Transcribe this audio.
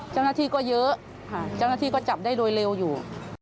เจ้าหน้าที่ก็เยอะจับได้โดยเร็วอยู่